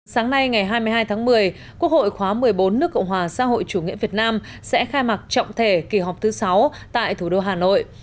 sáng nay ngày hai mươi hai tháng một mươi quốc hội khóa một mươi bốn nước cộng hòa xã hội chủ nghĩa việt nam sẽ khai mạc trọng thể kỳ họp thứ sáu tại thủ đô hà nội